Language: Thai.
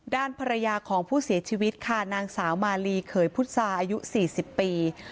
ด้านภรรยาของผู้เสียชีวิตค่ะนางสาวมาลีเขยพุษาอายุ๔๐ปี